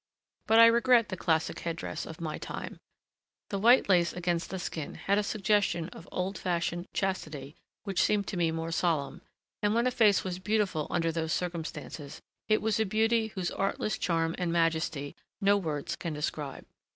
But I regret the classic head dress of my time: the white lace against the skin had a suggestion of old fashioned chastity which seemed to me more solemn, and when a face was beautiful under those circumstances, it was a beauty whose artless charm and majesty no words can describe.